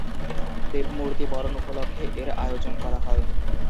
দেবমূর্তি বরণ উপলক্ষে এর আয়োজন করা হয়।